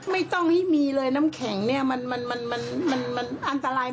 คาดนิดเดียวแล้วมันมันไหลรูมากน่ะเนี้ย